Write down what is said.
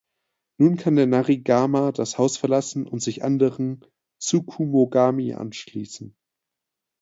Nun kann der Narigama das Haus verlassen und sich anderen Tsukumogami anschließen.